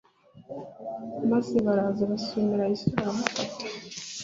Maze baraza basumira Yesu, baramufata.